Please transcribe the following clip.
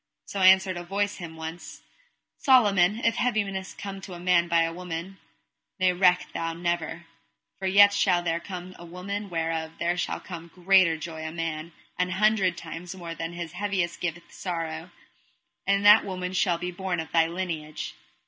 So answered a voice him once: Solomon, if heaviness come to a man by a woman, ne reck thou never; for yet shall there come a woman whereof there shall come greater joy to man an hundred times more than this heaviness giveth sorrow; and that woman shall be born of thy lineage.